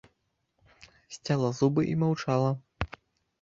Сцяла зубы і маўчала.